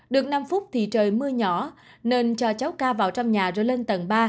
được năm phút thì trời mưa nhỏ nên cho cháu ca vào trong nhà rồi lên tầng ba